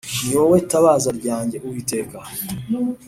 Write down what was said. Ni wowe tabaza ryanjye Uwiteka